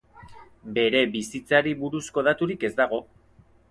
Bere bizitzari buruzko daturik ez dago.